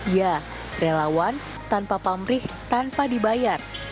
ya relawan tanpa pamrih tanpa dibayar